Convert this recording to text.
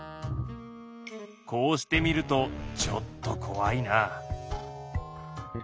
こうして見るとちょっとこわいな。